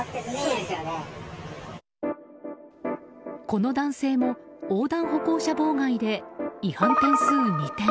この男性も横断歩行者妨害で違反点数２点。